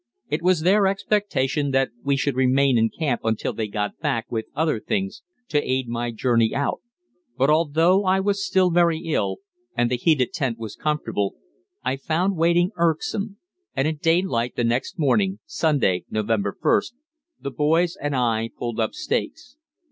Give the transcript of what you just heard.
It was their expectation that we should remain in camp until they got back with other things to aid my journey out; but, although I was still very ill, and the heated tent was comfortable, I found waiting irksome, and at daylight the next morning (Sunday, November 1st) the boys and I pulled up stakes.